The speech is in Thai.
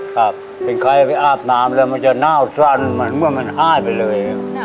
ครับเป็นใครไปอาบน้ำแล้วมันจะเน่าสั้นเหมือนเมื่อมันอ้ายไปเลย